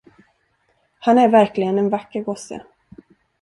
Han är verkligen en vacker gosse.